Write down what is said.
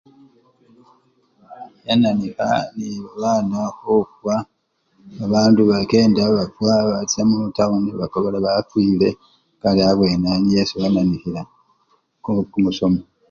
Yananikha nebabana khufwa abandu bakenda bafwa, bacha mutawuni bakobola bafwile mbo ari abwenawo nyo esibwarakikhila kwaba kumusomo.